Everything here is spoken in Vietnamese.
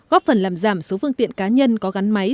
góp phần làm giảm số phương tiện cá nhân có gắn máy